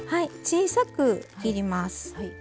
小さく切ります。